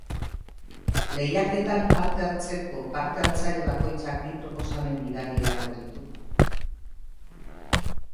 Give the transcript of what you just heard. Lehiaketan parte hartzeko parte-hartzaile bakoitzak bi proposamen bidali beharko ditu.